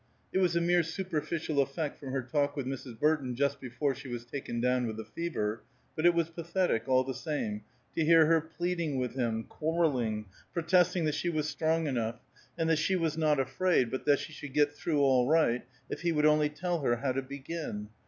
It was a mere superficial effect from her talk with Mrs. Burton just before she was taken down with the fever; but it was pathetic, all the same, to hear her pleading with him, quarrelling, protesting that she was strong enough, and that she was not afraid but that she should get through all right if he would only tell her how to begin.